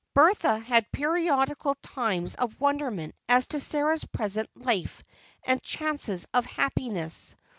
Bertha had periodical times of wonderment as to Sarah's present life and chances of happiness.